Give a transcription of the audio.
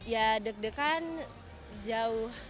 ya deg degan jauh